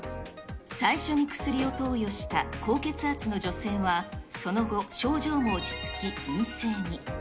最初に薬を投与した高血圧の女性は、その後、症状も落ち着き陰性に。